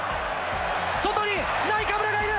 外に、ナイカブラがいる。